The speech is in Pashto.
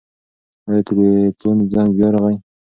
ایا د تلیفون زنګ بیا راغی؟